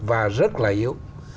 và rất là yếu